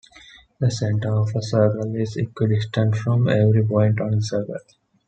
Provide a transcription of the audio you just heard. The center of a circle is equidistant from every point on the circle.